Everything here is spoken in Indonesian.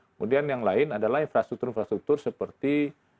kemudian yang lain adalah infrastruktur infrastruktur seperti